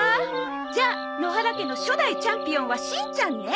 じゃあ野原家の初代チャンピオンはしんちゃんね。